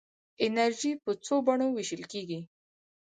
انرژي په څو بڼو ویشل کېږي.